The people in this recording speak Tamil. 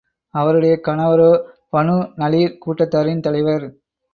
அவருடைய கணவரோ பனூ நலீர் கூட்டத்தாரின் தலைவர்.